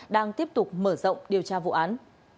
đang tiếp tục mở rộng điều tra vụ án